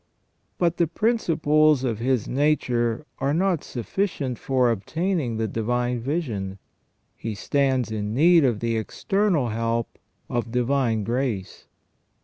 But the principles of his nature are not suffi cient for obtaining the divine vision ; he stands in need of the external help of divine grace.